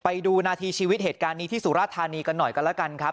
ไปดูนาทีชีวิตเหตุการณ์นี้ที่สุราธานีกันหน่อยกันแล้วกันครับ